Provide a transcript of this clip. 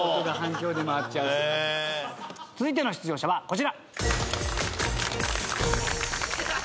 続いての出場者はこちら。